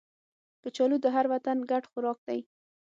کچالو د هر وطن ګډ خوراک دی